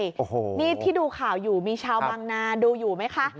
โอ้โหนี่ที่ดูข่าวอยู่มีชาวบางนาดูอยู่ไหมคะ